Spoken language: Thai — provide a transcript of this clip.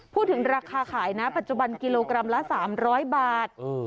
พูดถึงราคาขายนะปัจจุบันกิโลกรัมละ๓๐๐บาท